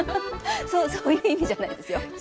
そういう意味じゃないですよ。